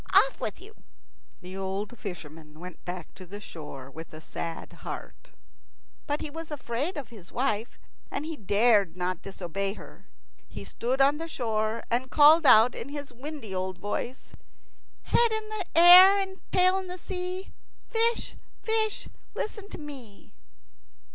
Off with you." The old fisherman went back to the shore with a sad heart; but he was afraid of his wife, and he dared not disobey her. He stood on the shore, and called out in his windy old voice, "Head in air and tail in sea, Fish, fish, listen to me."